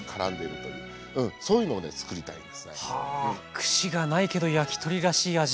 串がないけど焼き鳥らしい味。